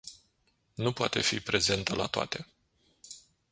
Nu poate fi prezentă la toate.